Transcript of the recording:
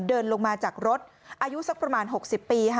เดินลงมาจากรถอายุสักประมาณ๖๐ปีค่ะ